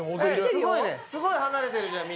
すごい離れてるじゃん